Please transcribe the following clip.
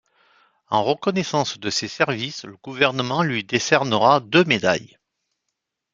En reconnaissance de ses services le gouvernement lui décernera deux médailles.